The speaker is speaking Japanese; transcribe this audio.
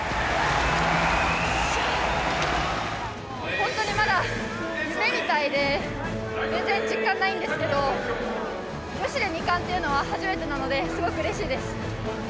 本当にまだ、夢みたいで、全然実感ないんですけど、女子で２冠というのは初めてなので、すごくうれしいです。